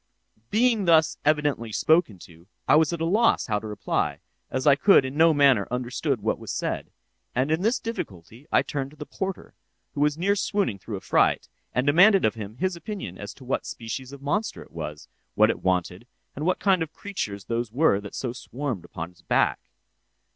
"'Being thus evidently spoken to, I was at a loss how to reply, as I could in no manner understand what was said; and in this difficulty I turned to the porter, who was near swooning through affright, and demanded of him his opinion as to what species of monster it was, what it wanted, and what kind of creatures those were that so swarmed upon its back.